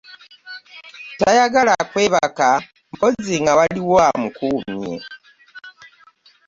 Tayagala kwebaka mpozzi nga waliwo amukuumye.